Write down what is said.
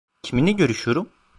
Kiminle görüşüyorum?